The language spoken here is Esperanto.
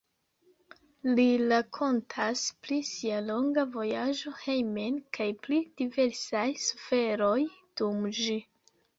Li rakontas pri sia longa vojaĝo hejmen kaj pri diversaj suferoj dum ĝi.